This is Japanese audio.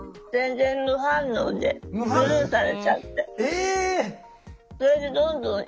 え！